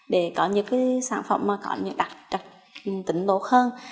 để có những cái sản phẩm mà có những đặc trật tỉnh tốt hơn